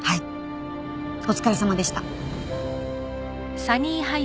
お疲れさまでした。